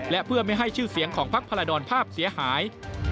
และเพื่อไม่ให้ชื่อเสียงของพักพลาดรภาพเสียหาย